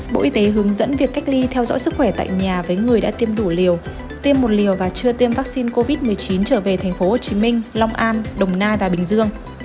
bộ y tế hướng dẫn việc cách ly theo dõi sức khỏe tại nhà với người đã tiêm đủ liều tiêm một liều và chưa tiêm vaccine covid một mươi chín trở về tp hcm long an đồng nai và bình dương